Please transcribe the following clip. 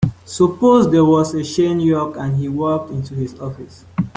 Suppose there was a Shane York and he walked into this office.